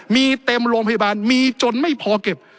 มีเต็มโรงพยาบาลมีจนไม่พอเก็บ